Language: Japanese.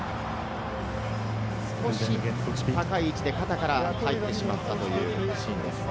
少し高い位置で肩から入ってしまったというシーンです。